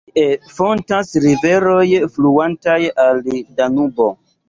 Tie fontas riveroj fluantaj al Danubo.